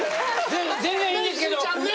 全然いいんですけど。ね？